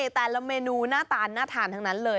แต่ละเมนูหน้าตาน่าทานทั้งนั้นเลย